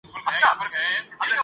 Column بھی مکمل کرنا ہے۔